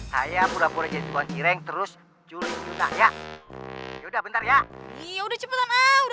saya pulang pulang simpan jireng terus curi sudah ya sudah bentar ya ya udah cepetan ah pelamoni